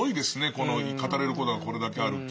この語れることがこれだけあるという。